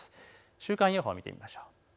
週間予報を見てみましょう。